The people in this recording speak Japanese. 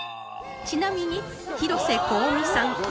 ちなみに広瀬香美さん